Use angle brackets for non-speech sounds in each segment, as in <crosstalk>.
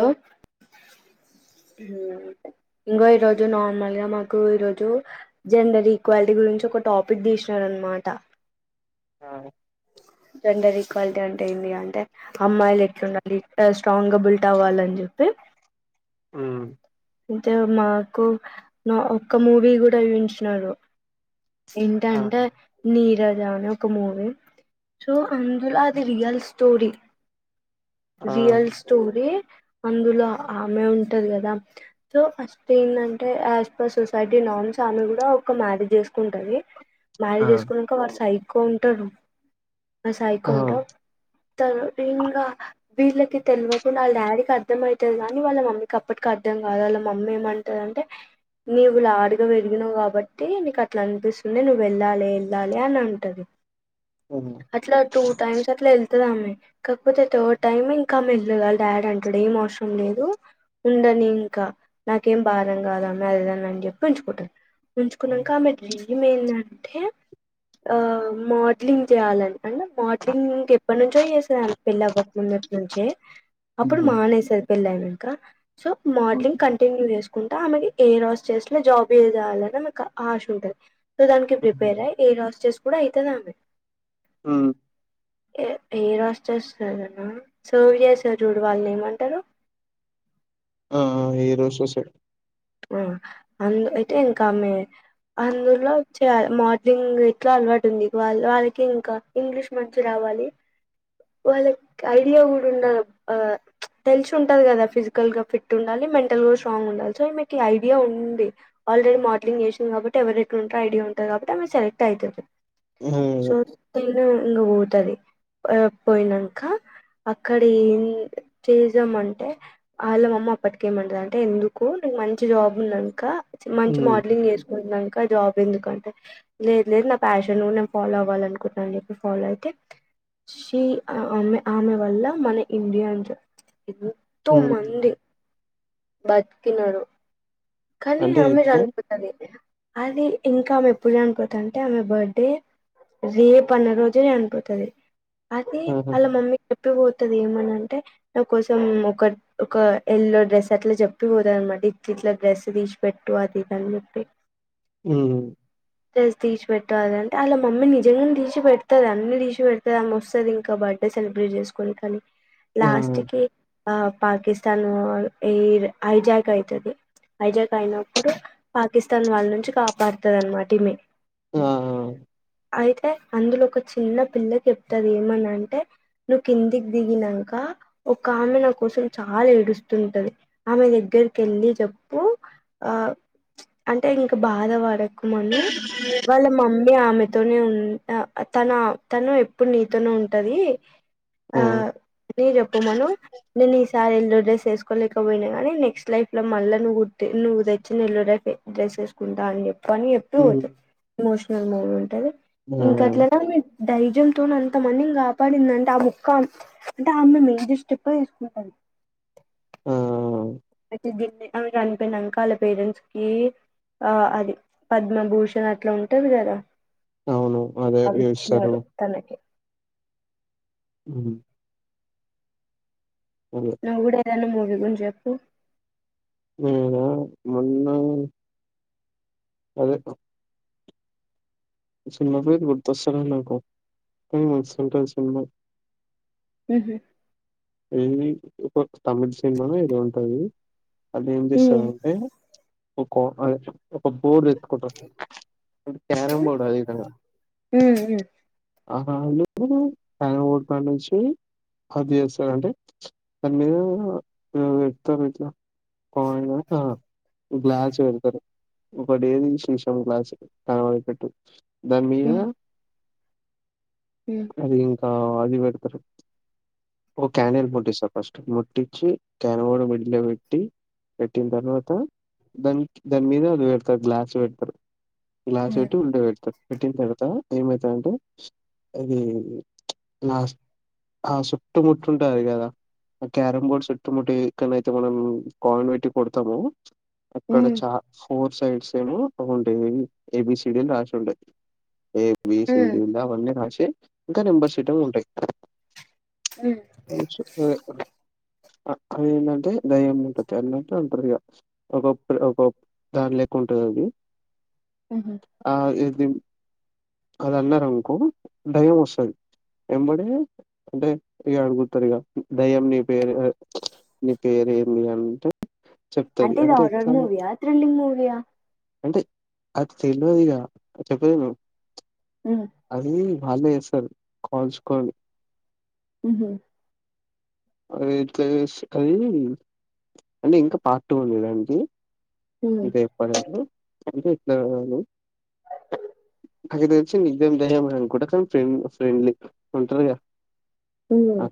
Hello ఇంగో ఈరోజు నార్మల్గా మాకు ఈరోజు జెండర్ ఈక్వాలిటీ గురించి ఒక టాపిక్ తీశినారన్నమాట అవునే జెన్డర్ ఈక్వాలిటీ అంటే ఏమి అంటే అమ్మాయిలు ఎట్ల ఉండాలి ఇట్ స్ట్రాంగ్గా బిల్ట్ అవ్వాలి అని చెప్పి ఉమ్ అంటే మాకు ఆ ఒక్క మూవీ గూడ చూయించినరు ఇంట ఆ అంటే నీరజ అని ఒక మూవీ సో అందులా అది రియల్ స్టోరీ ఆ రియల్ స్టోరీ అందులో ఆమె ఉంటది గదా సో ఫస్ట్ ఏదంటే యాస్ పర్ సొసైటీ నార్మ్స్ ఆమె కూడా ఒక మ్యారేజ్ చేసుకుంటది ఆ మ్యారేజ్ చేసుకున్నాక వాడు సైక్ కొంటారు సైకో ఆ ఉంటా తరుబింగ వీళ్ళకి తెల్వకుండ వాళ్ల డాడీకి అర్థం అయితది గానీ వాళ్ళ మమ్మీకి అప్పటికి అర్థం కాదు వాళ్ళ మమ్మీ ఏమంట దంటె నీవు లాడుగ పెరిగినవు కాబట్టి నీకు అట్ల అనిపిస్తుంది నువ్వు వెళ్ళాలి వెళ్ళాలి అని అంటది కానీ అట్లా టూ టైమ్స్ అట్ల వెళ్తాదామే కాకపోతె థర్డ్ టైమ్ ఇంకామె వెళ్ళదు వాళ్ల డాడీ అంటడు ఏం అవసరం లేదు ఉండని ఇంకా నాకేం భారం కాదా అమ్మాయి అది ఇది అని చెప్పి ఉంచుకుంటడు ఉంచుకున్నంక ఆమె డ్రీమ్ ఏందంటే ఆ మోడలింగ్ చెయాలని అండ్ మోడలింగ్ కి ఎప్పటినిన్ ఎంతో ఏసాను పెళ్లి అవ్వకముందు నుంచి అప్పుడు ఉహు మానేశారు పెళ్లయినంక సో మోడ్ లింగ్ కంటిన్యూ చేసుకుంటా ఆమెకి ఏ రాస్ చేస్తున జాబ్ చేవాలని ఆమెకు ఆశ ఉంటది. సో దానికి ప్రిపేర్ అయ్యి ఏ రాస్ చ్చేస్ కూడా అయితధామే ఉ ఏ ఏ రాస్ చేస్తారన్న సర్ చేస్తారు చూడు వాళ్ళును ఏమంటారు. ఆ ఏరోశాసర్ ఆ అందు అయితే ఇంక ఆమె అందులో చేయాలి మోడలింగ్ ఎట్లా అలవాటు ఉంది. వాళ వాళ్ళకి ఇంకా ఇంగ్లీష్ మంచి రావాలి. వాళ్ళకి ఐడియా కూడా ఉండాలి. తెలిసి ఉంటది కదా ఫిజికల్ గా ఫిట్ ఉండాలి. మెంటల్ గా స్ట్రాంగ్ ఉండాలి సో ఐడియా ఉంది ఆల్రెడీ మోడలింగ్ చేసింది. కాబట్టి ఎవరేకడుంటర్ ఐడియా ఉంటంది కాబట్టి ఆమె సెలెక్ట్ అవుతుంది ఆ సో ఇం పోతది పోయినాక అక్కడ ఏం చేద్దాం అంటే వాళ్ల మమ్మీ అప్పటికి ఏమంటది అంటే ఎందుకు నువ్వు జాబ్ ఉన్నంకా ఉ మంచి మోడలింగ్ నే కున్నంకా జాబ్ ఎందుకంటే లేదు లేదు నా ప్యాషన్ నేను ఫాలో అవ్వాలనుకుంటానని చెప్పి ఫాలో అయితే షి ఆ ఆమె వల్ల మన ఇండియన్స్ ఎంతో ఉ మంది బత్ కినరు కానీ అంటే అమె ఎట్లా చనిపోతది. అది ఇంకా ఆమె ఎప్పుడు చనిపోతది అంటే ఆమె బర్త్డే రేపన్న రోజే చనిపోతది అది ఆహా ఆళ్ల మమ్మీ చెప్పిపోతది ఏమనంటే నా కోసం ఒక ఒక ఎల్లో డ్రెస్ అట్ల చెప్పిపోతది అన్నమాట ఇట్ ఇట్ల డ్రెస్ పిక్స్ తీసి పెట్టు అది ఇది అని చెప్పి హ్మ్ తీసి పెట్టు అంటే వాళ్ళ మమ్మీ నిజంగా తీసి పెడ్తది అన్ని తీసిపెడ్తది ఆమె వస్తది ఇంకా బర్త్డే సెలబ్రేట్ చేసుకోనికనీ ఆ లాస్ట్ కి ఆ పాకిస్తాను ఎయిర్ ఐజాక్ అయితది ఐజాక్ అయినప్పుడు పాకిస్తాన్ వాళ్ళ నుంచి కాపాడుతది అన్నమాట ఈమె ఆ... అయితే అందులో ఒక చిన్న పిల్లకి చెప్తది. ఏమనంటే నువ్వు కిందికి దిగినంక ఒక ఆమె నా కోసం చాలా ఏడుస్తుంటది ఆమె దగ్గరికి ఎళ్ళి జప్ ప్పు ఆ అంటే ఇంకా బాధ పడకు కు మను వాళ్ళ మమ్ నే ఆమె తోనే ఉంటా తను ఆ తను అప్పుడూ నీతోనే ఉంటది. ఆ అనీ చెప్పమను నే సార్ ఎల్లో డ్రస్ ఏసుకోలేకపోయినా కానీ నెక్స్ట్ లైఫ్లో మళ్ళ నువ్వు నువ్వు తెచ్చిన ఎల్లో డ్రెస్ వేసుకుంటా అని చెప్ పనీ ఎటూ వతు <unintelligible> ఎమోషనల్ మూమెంట్ అది ఆ ఇం కట్ల <inaudible> ధైర్యంతోన్ అంతమందిని కాపాడిందంటే ఆ ఒక్కమ్ అంటే ఆమె మేజర్ స్టెప్ తీసుకుంటది. ఆ అయితే ఆమె చనిపోయినంక వాళ్ళ పేరెంట్స్కి ఆ అది పద్మభూషణ్ అట్ల ఉంటది గదా అవును అదే <inaudible> తనకి <unintelligible> అదే నువు గుడా ఏదన్న మూవీ ను చెప్పు అవున మొన్నా అదెక సినిమా పేరు గుర్తొస్తలే నాకు కానీ మంచిగుంటది సినిమా మ్ హ్ ఏది ఒక తమిళ్ సినిమా ఏదో ఉంటది. అదేం ఉ చేస్తదంటే ఓ కో అద ఒక బోర్డు తెచ్చకుంటారు అది క్యారం బోర్డు అదే విధంగా ఉ ఆహా <inaudible> బోరు కాడ నుంచి హగ్ అంటే అది మీరు <inaudible> పోయినాక గ్లాస్ పెడతారు ఇప్పుడేది శిషం క్లాస్ కాపెట్టు దాని మీద ఉ ఉ ఉ అదే ఇంకా ఆ అది పెడతారు ఒక క్యాండిల్ ముట్టిస్తారు ఫస్ట్ ముట్టిచ్చి క్యాండిల్ మీద పెట్టి పెట్టిన తర్వాత దాని మీద అది పెడతారు గ్లాస్ పెడతారు గ్లాస్ హ్మ్ పెట్టీ కుండ పెడతారు పెట్టిన తర్వాత ఏమైతదంటే ఇది లాస్ హాష్ చుట్టుముట్టుంటారు కదా ఆ క్యారం బోర్డ్ చుట్టుముట్టి ఎక్కడైతే మనం కాయిన్ పెట్టి కొడతామో అక్కడ హ్మ్ చా ఫోన్ సైట్స్ ఏమో అవి ఉంటాయి ఏబిసిడి లు రాసి ఉంటాయి ఎ వేసి హ్మ్ కింద అవన్ని రాసి <unintelligible> ఇంకా <unintelligible> సెటర్లు ఉంటాయి హ్మ్ కొంచు అది ఏందంటే దయ్యం ఉంటది అంటంటే అంటదిగా ఒకొ ఒక దాని లెక్క ఉంటది అది ఉహూ. ఆ ఏ అది అది అన్నారు అనుకో దెయ్యం వస్తది ఎంబడే అంటే ఇగ అడుగుతారు ఇగ దెయ్యం నీ పేరు నీ పేరు ఏమి అంటే చెప్తది. అంటే ఇది హార్రర్ ఎట్లా మూవీ ఆ థ్రిల్లింగ్ మూవీ ఆ అంటే అది తెలియదిగా చెప్పలేను హ్మ్. అది ఆళ్లే చేస్తారు కాల్స్కో ఉహూ అది ఇట్లా అది ఇంకా పార్ట్ టూ ఉంది దానికి హ్మ్. ఇంకా చెప్పాలా అ <inaudible> పైకి తెచ్చి ఇదేం దయ్యం రా అనుకుంట కానీ ఫ్రెండ్ ఫ్రెండ్లీ ఉంటారు గా ఉమ్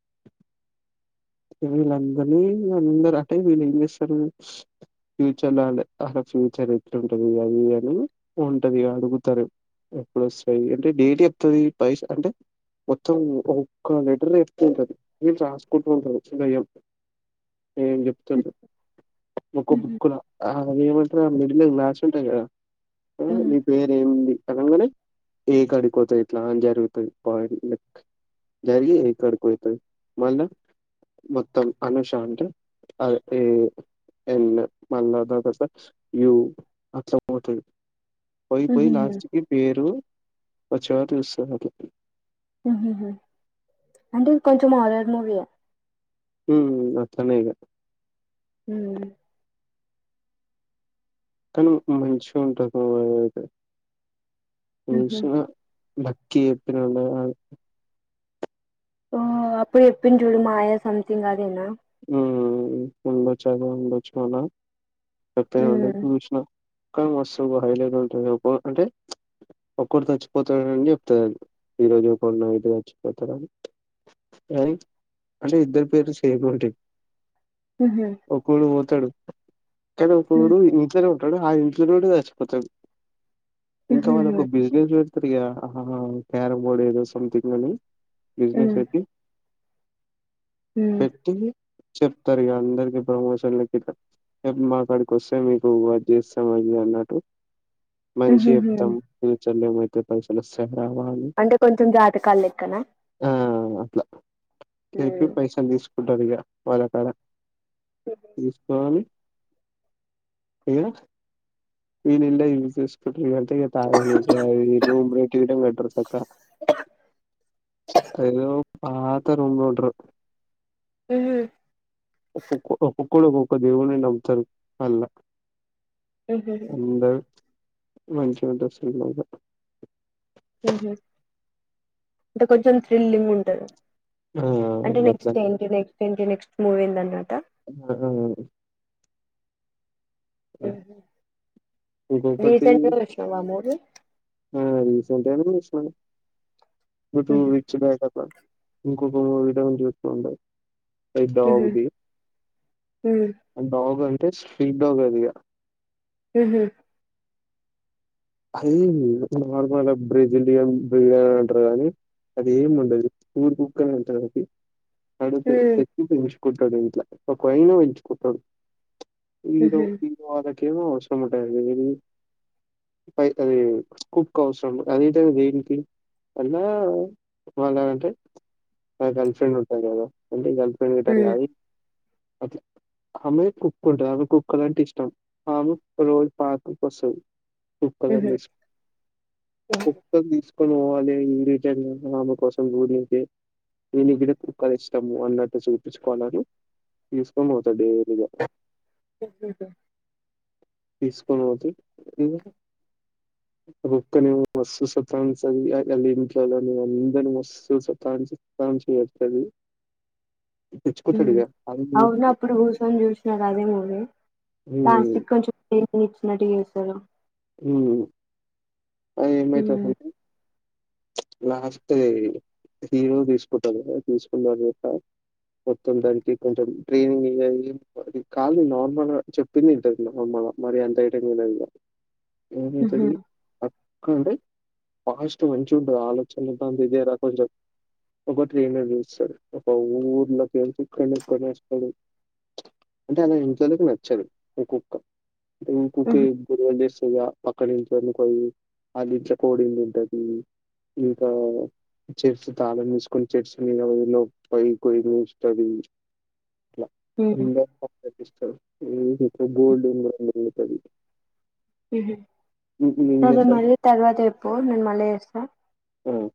<unintelligible> వీళ్ళందరినీ అందరు అంటే వీళ్ళు ఏం చేస్తారు ఫ్యూచర్ లో ఆ ఫ్యూచర్ ఎట్లుంటది అది అని ఉంటది అడుగుతారు ఎప్పుడోస్తాయి అంటే డేట్ చెప్తది పైస అంటే మొత్తం ఒక్క లెటర్ లో చెప్తూ ఉంటది వీళ్ళు రాసుకుంటూ ఉంటది దెయ్యం ఏం చెప్తుంట ఒక్క హుహు. బుక్కలో ఆ ఏం అంటరు ఆ మిది మీద గ్లాస్ ఉంటది గద ఆ హ్మ్. నీ పేరు ఏముంది అర్థంకాలే ఏకాడి కోతా ఇట్ల అంజ పెరుగుతాయి పాయిట్ లెక్ జరి జరికడుకైతై మళ్ళ మొత్తం అనుష అంటే అదే ఏ ఎల్ మళ్ళా దాదత యువ్ అట్ల పోతాయి పోయి పోయి హుహుహు. లాస్ట్ కి పేరు పచా తెలుస్తది హక హమ్ హమ్ హమ్ అంటే ఇది కొంచెం హార్రర్ మూవీఏ హమ్ అట్లనేయిగ హమ్ కనీ మంచిగా ఉంటంది అయితే హుహు. హమ్ కే ఎప్పిన ఆ అప్పుడు చెపుంటివి చూడు మాయా సమంతింగ్ అదేనా హమ్ ఉండొచ్చు అదే ఉండొచు మల చేపెయ్యాలి హ్మ్. కానీ మస్తు హైలెట్ ఉంటది అంటే ఒక్కరు చచ్చిపోతాడని అని చెప్తది అది ఈ రోజు ఒక నైట్ చచ్చిపోతాడుని కానీ అంటే ఇద్దరు పేర్లు సేమ్ ఉంటయ్ హుహు. ఒకడు తడు <unintelligible> హ్మ్. కూడు ఇంట్ల ఆ ఇంట్లో కూడా చచ్చిపోతది ఇంకా హుహుహు. వాళ్ళకు బిజినెస్ పెడతదిగా అహహ క్యారం బోర్డ్ ఏదో సంథింగ్ అని బిజినెస్ హ్మ్. పెట్టి హ్మ్. పెట్టి చెప్తారుగా అందరికి ప్రమోషన్ల ఇప్పిస్తా మాకడికి వస్తే మీకు అది చేస్తాం అది అన్నట్టు మంచి హుహుహు. చెప్తాం ఫ్యూచర్లో మ కు పైసలొస్తే అంటే కొంచెం జాతకాలు లెక్కన లేపి పైసలు తీస్ వుడ్డదిగా వలకడ ఇస్కాన్ ఉ నేను ఎల్లా యూస్ చేసుకునేది ఇగల్ తాగరు ఇట ఎటు ఏటో పోయింటారు చక్కన అయ్ పా అంత రూమ్ లో ఉంటరు ఉఏ హ <inaudible> ఒక్కొకరు ఒక్క దేవుని నమ్ముతారు అల్లా హుహుహు. అందరు మంచిగ ఉంటాది సరదాగా ఉ హు ఇంకా కొంచెం థ్రిల్లింగ్ గా ఉంటాది ఆ అంటే నెక్స్ట్ అట్లనే ఏంటి నెక్స్ట్ ఏంటి నెక్స్ట్ మూవీందట్ట ఆ ఆ ఉహు. ఇంకొకటి రీసెంట్ గా చూసినవా మూవీ ఆ రీసెంట్ గానే చూసిన యుటు ఉహు. ఇచ్చినాక డబ ఇంకొక విధం చూస్తూ ఉంటారు పెద్ద ఉహు. వాగుది ఉహు. అంత బాగా స్ట్రీట్ డాగ్ అది ఇగ హహ అదే నార్మల్ గా బ్రెజిలియన్ బిర్యానీ అంటారు కానీ అది ఏమి ఉండదు. పూర్ కుక్క అని అంటారు. తడితే ఉహు. తెత్ ఇంగ్లీష్ కుక్క ఇంట్లా ఇ కొయి పెంచుకుంటాడు వీరు ఉహు. వరు ఏమో అవసరమంటాయి కద మీని పై అది కుక్ అవసరం అది దేనికి అయినా వాళ్ళంటే గర్ల్ ఫ్రెండ్ ఉంటంది కదా అంటే వెళ్ళటం ఉహు. కాది అట్ల ఆమె కుక్ ఉంటది ఆమె కుక్కల అంటే ఇష్టం ఆమె రోజు పార్క్ కు వస్తది కుక్కలను అమేసి ఉహు. కుక్ తీస్ క్కొని పోవాలి ఈ రిటై ఆమె కోసం గుడి అయితే దేనికిడ కుక్కలు ఇస్తము అన్నట్టు చూపించుకోవాల తీసుకొని పోతాడే అ అ తీసుకుని పోతే రక్క న మస్సు సతాఇస్తది అల్ ఇంట్లో అందరిని మస్ సతాం సతాంసు వెత్తది అవునా ప్రభు సంజూస్ నగాదే పోతే ఆహ్ హ్మ్ సికం చుపుతే. నిచ్ మడిగేస్తారు. ఉమ్ ఆహ్ ఏమైతాది ఉహు. అసలు కి. లాస్ట్ హీరో తీసుకుంటాడు తీసుకున్న తర్వాత మొత్తం దానికి కొంచెం ట్రైనింగ్ అది కాదు నార్మల్ చెప్పింది వింటది నార్మల్ మరి అంతా ఐటమ్ లెదు. ఏం ఉహు. నేచది. అంటే ఫాస్ట్ మంచి ఉంటాది. ఆలోచన దంత ఇదే రా కొంచెం ఒక ట్రైనర్ చూస్తాడు. ఒక ఊర్లోకేంచి ఇక్కడిక్కడనే వేస్తాడు అంటే వాళ్ల ఇంట్లోలకి నచ్చదు ఒక్కొక్క. ఇంకోక్కే ఉహు. గురువు ఏం చేస్తాడు. ఆహ్ పక్క నించోనికి పోయి. ఆళ్ళ ఇట్ల కోడింగ్ ఉంటది. ఇంకా చర్చ్ తాళం తీసుకుని చర్చి మీద లో పై కోయి కూర్చుంటది. అట్లా ఉహు. రింగ పప్ తెప్పిస్తాడు. ఉహూ బోల్డ్ ఉదుతది ఉహు. సరే <inaudible> మరి తర్వాత చెప్పు నేను మళ్ళా చేస్తా. ఆహ్